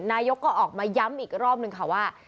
นายกก็ออกมาย้ำอีกรอบนึงค่ะว่า